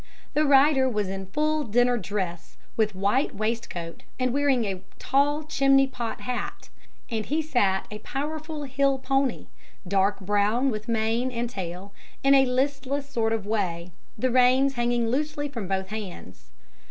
The rider was in full dinner dress, with white waistcoat, and wearing a tall chimney pot hat, and he sat a powerful hill pony (dark brown, with mane and tail) in a listless sort of way, the reins hanging loosely from both hands.